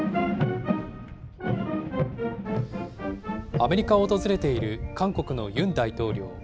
アメリカを訪れている韓国のユン大統領。